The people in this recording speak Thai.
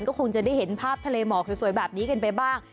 ก็คงจะได้เห็นภาพทะเลหมอกสวยแบบนี้กันไปบ้าง